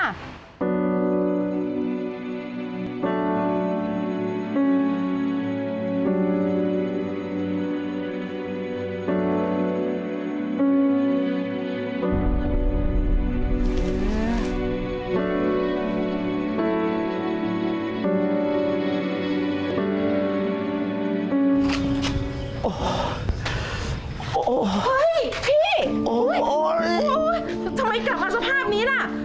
เฮ้ยพี่ทำไมกลับมาสภาพนี้ล่ะ